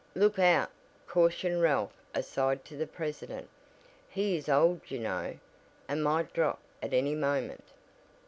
"Look out," cautioned Ralph aside to the president, "he is old you know, and might drop at any moment."